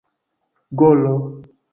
golo